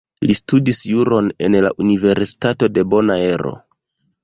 Li studis Juron en la Universitato de Bonaero.